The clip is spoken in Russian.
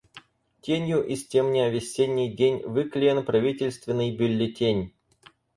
Тенью истемня весенний день, выклеен правительственный бюллетень.